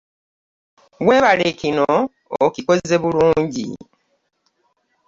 Weebale kino okikoze bulungi.